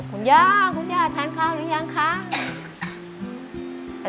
คุณย่าคุณย่าทานข้าวหรือยังคะ